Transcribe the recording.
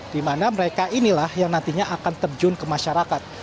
di mana mereka inilah yang nantinya akan terjun ke masyarakat